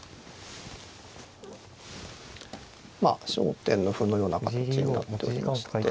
まあ焦点の歩のような形になっておりまして。